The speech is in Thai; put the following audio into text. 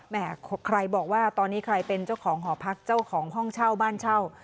ใครบอกว่าตอนนี้ใครเป็นเจ้าของหอพักเจ้าของห้องเช่าบ้านเช่า